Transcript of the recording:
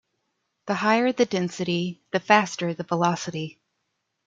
The higher the density, the faster the velocity.